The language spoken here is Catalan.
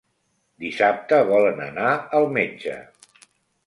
Dissabte volen anar al metge.